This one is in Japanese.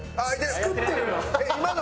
作ってるな。